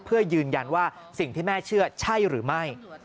เพื่อยืนยันว่าสิ่งที่แม่เชื่อใช่หรือไม่